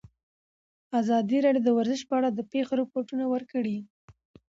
ازادي راډیو د ورزش په اړه د پېښو رپوټونه ورکړي.